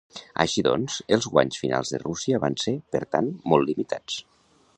Així doncs, els guanys finals de Rússia van ser, per tant, molt limitats.